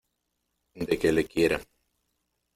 de que le quiera.